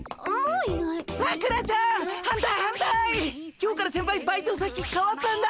今日から先輩バイト先かわったんだ！